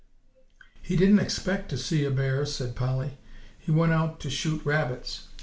"He didn't expect to see a bear," said Polly; "he went out to shoot rabbits.